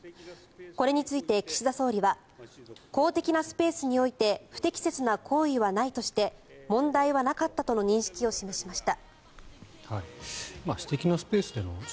これについて、岸田総理は公的なスペースにおいて不適切な行為はないとして問題はなかったとの認識を示しました。